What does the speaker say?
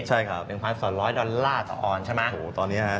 ใช่ไหมพี่๑๒๐๐ดอลลาร์ตอนใช่ไหม